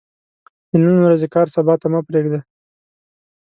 د نن ورځې کار سبا ته مه پريږده